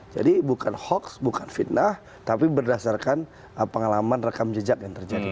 jadi bukan hoax bukan fitnah tapi berdasarkan pengalaman rekam jejak yang terjadi